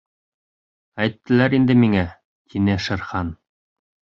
— Әйттеләр инде миңә, — тине Шер Хан.